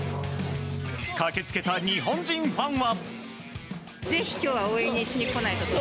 駆け付けた日本人ファンは。